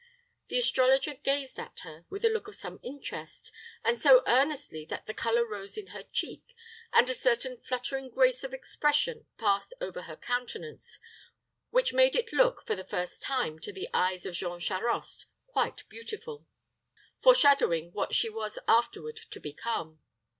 The astrologer gazed at her with a look of some interest, and so earnestly that the color rose in her cheek, and a certain fluttering grace of expression passed over her countenance, which made it look, for the first time, to the eyes of Jean Charost quite beautiful, foreshadowing what she was afterward to become.